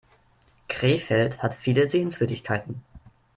Krefeld hat viele Sehenswürdigkeiten